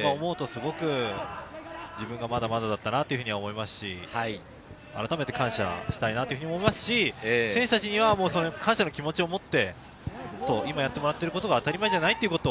今、思うとすごく自分がまだまだだったなと思いますし、あらためて感謝したいなっていうふうにも思いますし、選手たちには感謝の気持ちを持って今やってもらってることが当たり前じゃないっていうことを